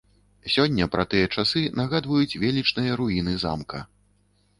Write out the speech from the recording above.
Сёння пра тыя часы нагадваюць велічныя руіны замка.